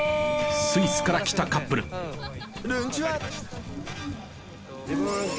スイスから来たカップルるんちはっ！